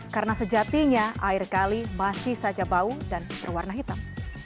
karena sejatinya air kali masih saja bau dan berwarna hitam